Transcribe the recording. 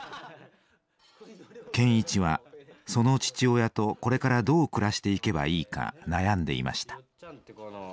健一はその父親とこれからどう暮らしていけばいいか悩んでいました。